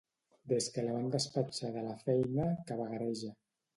Des que la van despatxar de la feina que vagareja.